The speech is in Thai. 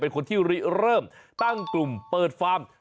เป็นคนที่เริ่มตั้งกลุ่มเปิดฟาร์ม